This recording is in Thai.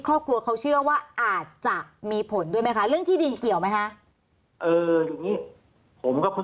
จากทางทางทีวีเพราะคุณจองขวัญนะครับกรณีที่ดินเนี้ยนะฮะเอ่อ